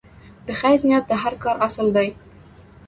د خیر نیت د هر کار اصل دی.